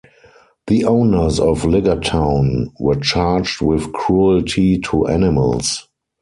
The owners of Ligertown were charged with cruelty to animals.